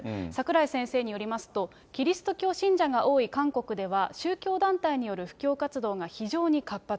櫻井先生によりますと、キリスト教信者が多い韓国では、宗教団体による布教活動が非常に活発。